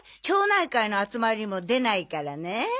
町内会の集まりにも出ないからね。